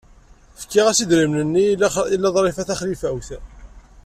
Fkiɣ-as idrimen-nni i Lalla Ḍrifa Taxlifawt.